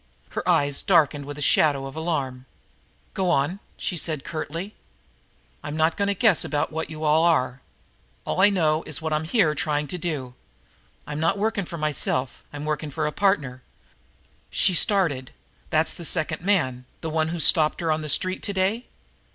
Her eyes darkened with a shadow of alarm. "Go on," she said curtly. "I'm not going on to guess about what you all are. All I know is what I'm here trying to do. I'm not working for myself. I'm working for a partner." She started. "That's the second man, the one who stopped her on the street today?"